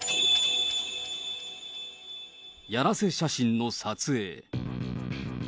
やらせ写真の撮影。